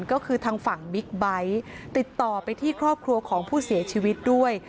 ก็คือทางฝั่งบิ๊กไบท์ติดต่อไปที่ครอบครัวของผู้เสียชีวิตด้วย